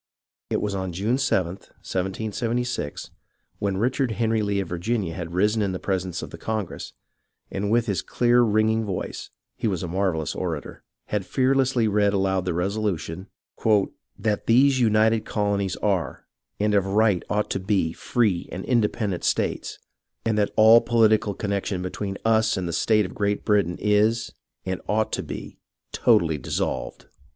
It was on June 7th, 1776, when Richard Henry Lee of Virginia had risen in the presence of the Congress, and with his clear ringing voice — he was a marvellous orator — had fearlessly read aloud the resolution, " That these united colonies are, and of right ought to be, free and independent states ; and that all political connection between us and the State of Great Britain is, and ought INDEPENDENCE 89 to be, totally dissolved."